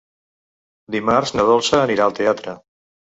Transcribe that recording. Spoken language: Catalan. Dimarts na Dolça anirà al teatre.